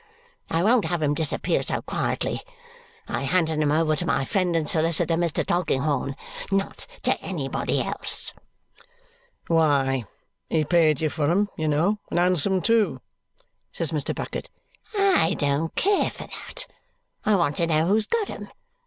I won't have 'em disappear so quietly. I handed 'em over to my friend and solicitor, Mr. Tulkinghorn, not to anybody else." "Why, he paid you for them, you know, and handsome too," says Mr. Bucket. "I don't care for that. I want to know who's got 'em.